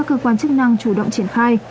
các cơ quan chức năng chủ động triển khai